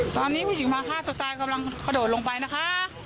ตอนนี้ผู้หญิงมาฆ่าตัวตายกำลังกระโดดลงไปนะคะ